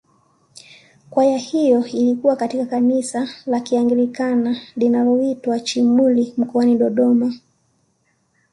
Kwaya hiyo ilikuwa katika kanisa la kianglikana linaloitwa Chimuli mkoani Dodoma